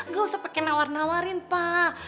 gak usah pake nawarin nawarin pak